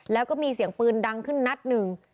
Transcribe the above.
แล้วก็มีเสียงปืนดังขึ้นนัดหนึ่ง